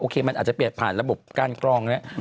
มันอาจจะเปลี่ยนผ่านระบบการกรองเนี่ย